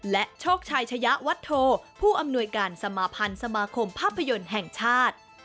และโชคชัยชะยะวัตโธผู้อำนวยการสมาพันธ์สมาคมภาพยนตร์แห่งชาติ